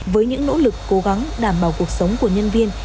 với những nỗ lực cố gắng đảm bảo cuộc sống của nhân viên